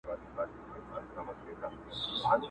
او رنګین بیرغ رپیږي په کتار کي د سیالانو!.